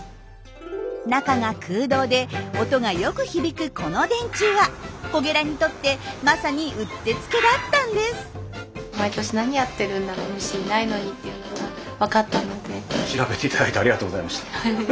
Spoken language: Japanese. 中が空洞で音がよく響くこの電柱はコゲラにとってまさにうってつけだったんです。